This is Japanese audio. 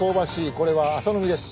これは麻の実です。